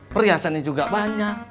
perhiasannya juga banyak